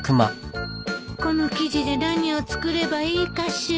この生地で何を作ればいいかしら。